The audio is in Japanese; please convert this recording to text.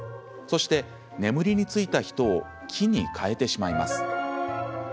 そして、眠りについた人を木に変えてしまいます。